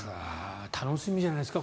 楽しみじゃないですか？